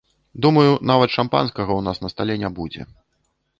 Думаю, нават шампанскага ў нас на стале не будзе.